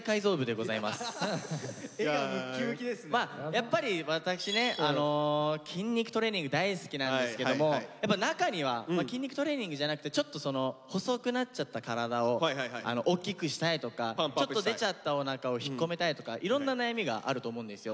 やっぱり私ね筋肉トレーニング大好きなんですけどもやっぱり中には筋肉トレーニングじゃなくてちょっとその細くなっちゃった体をおっきくしたいとかちょっと出ちゃったおなかを引っ込めたいとかいろんな悩みがあると思うんですよ。